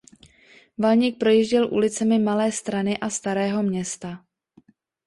Valník projížděl ulicemi Malé Strany a Starého Města.